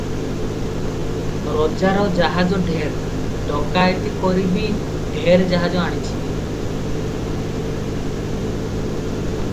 ରଜାର ଜାହାଜ ଢେର; ଡକାଏତି କରି ବି ଢେର ଜାହାଜ ଆଣିଛି ।